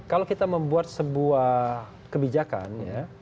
kalau kita membuat sebuah kebijakan ya